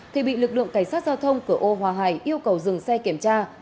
thì bị lực lượng cảnh sát giao thông cửa ô hòa hải yêu cầu dừng xe kiểm tra